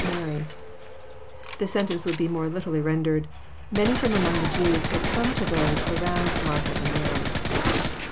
Mary,'] This sentence would be more literally rendered, '' Many h'om among the Jews had come to those around Martha and Mary."